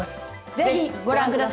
ぜひご覧下さい。